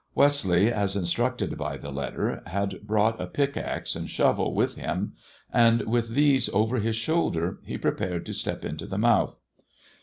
Westleigh, as instructed by the letter, had brought a pickaxe and shovel with him, and with these over his shoulder he prepared to step into the mouth.